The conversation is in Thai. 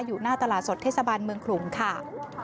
อยู่หน้าตลาดสดเทศบาลเมืองขลุงค่ะ